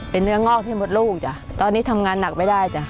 เป็นเนื้องอกที่มดลูกจ้ะตอนนี้ทำงานหนักไม่ได้จ้ะ